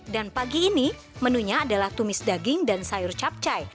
dan pagi ini menunya adalah tumis daging dan sayur capcay